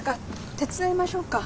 手伝いましょうか。